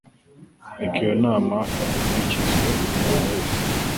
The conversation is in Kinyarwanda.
Reka iyo nama ikurikizwe n’umuntu wese